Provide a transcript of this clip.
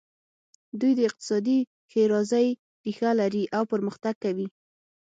دوی د اقتصادي ښېرازۍ ریښه لري او پرمختګ کوي.